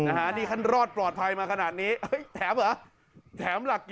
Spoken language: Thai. ท่านรอดปลอดภัยมาขนาดนี้แถมหรอ